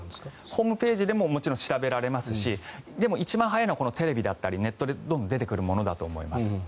ホームページでも調べられますしでも一番早いのはテレビだったりネットで出てくるものだと思います。